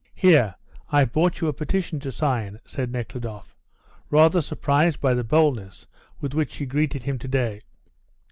"Here, I've brought you a petition to sign," said Nekhludoff, rather surprised by the boldness with which she greeted him to day.